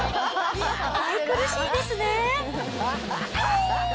愛くるしいですね。